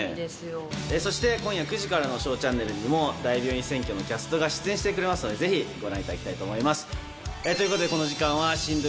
そして今夜９時からの『ＳＨＯＷチャンネル』にも『大病院占拠』のキャストが出演してくれますのでぜひご覧いただきたいと思います。